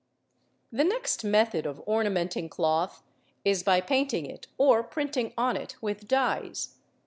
The next method of ornamenting cloth is by painting it or printing on it with dyes.